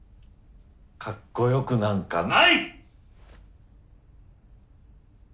かっこよくなんかない！